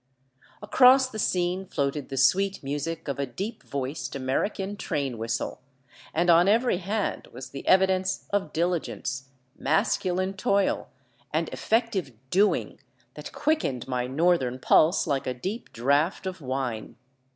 Across the scene floated the sweet music of a deep voiced American train whistle, and on every hand was the evidence of dili gence, masculine toil, and effective doing that quickened my northern pulse like a deep draft of wine.